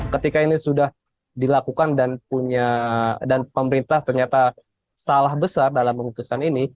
ketika ini sudah dilakukan dan punya dan pemerintah ternyata salah besar dalam memutuskan ini